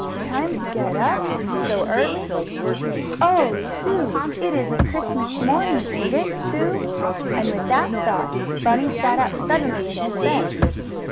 "Time to get up so early? Oh, Sue! It isn't Christmas morning; is it, Sue?" and with that thought Bunny sat up suddenly in his bed.